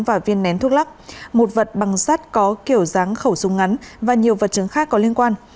và viên nén thuốc lắc một vật bằng sắt có kiểu dáng khẩu súng ngắn và nhiều vật chứng khác có liên quan